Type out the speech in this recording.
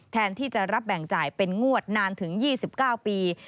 แทนที่จะรับแบ่งจ่ายเป็นงวดนานถึง๒๙ปี